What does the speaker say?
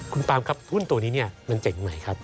คุณปามครับหุ้นตัวนี้มันเจ๋งไหมครับ